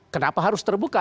kenapa harus terbuka